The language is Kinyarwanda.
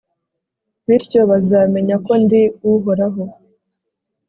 bityo bazamenya ko ndi Uhoraho